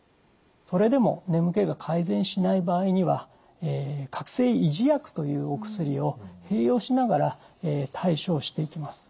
それでも眠気が改善しない場合には覚醒維持薬というお薬を併用しながら対症していきます。